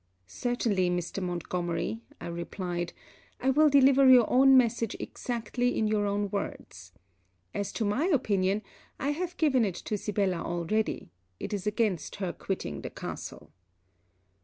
'Certainly Mr. Montgomery,' I replied, 'I will deliver your own message exactly in your own words. As to my opinion, I have given it to Sibella already: it is against her quitting the castle.'